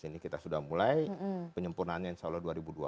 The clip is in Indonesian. ini kita sudah mulai penyempurnaannya insya allah dua ribu dua puluh empat